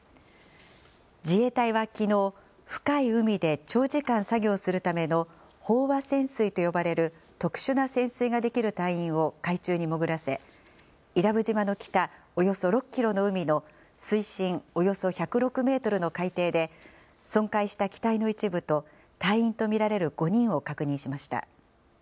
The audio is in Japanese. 自衛隊はきのう、深い海で長時間作業するための、飽和潜水と呼ばれる特殊な潜水ができる隊員を海中に潜らせ、伊良部島の北およそ６キロの海の水深およそ１０６メートルの海底で、損壊した機体の一部と隊員と見られる５人を確認しました。